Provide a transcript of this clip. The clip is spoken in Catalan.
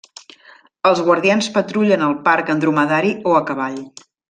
Els guàrdies patrullen el parc en dromedari o a cavall.